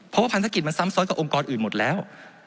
เพราะว่าพันธกิจมันซ้ำซ้อนกับองค์กรอื่นหมดแล้ว